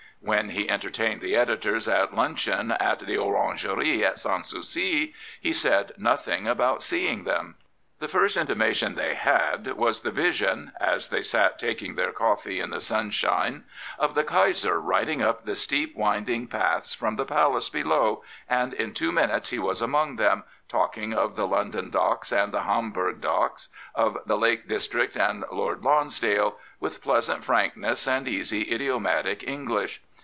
When he entertained the editors at luncheon at the Orangerie at Sans Souci he said nothing about seeing them. The first intima tion they had was the vision as they sat taking their coffee in the sunshine of the Kaiser riding up the steep winding paths from ^the palace below, and in two minutes he was among them, talking of the London *c 69 Prophets, Priests, and Kings docks and the Hamburg docks, of the Lake District and Lord Lonsdale, with pleasant frankness and easy, idiomatic English.